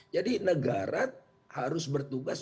jadi negara harus bertugas